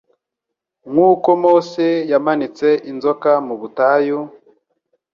«Nk'uko Mose yamanitse inzoka mu butayu,